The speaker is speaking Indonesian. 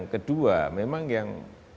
kedua memang yang